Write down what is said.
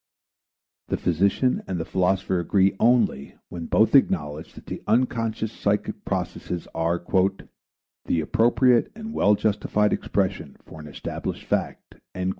The physician and the philosopher agree only when both acknowledge that unconscious psychic processes are "the appropriate and well justified expression for an established fact."